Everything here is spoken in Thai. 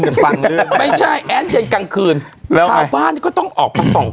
เป็นบางเรื่องไม่ใช่แอ้นเย็นกลางคืนแล้วไงชาวบ้านก็ต้องออกมาส่อง